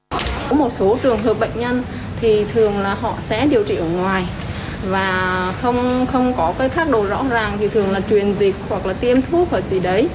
có những trường hợp bệnh nhân tụt huyết áp bệnh nhân phải chuyển đến khoa hồi sức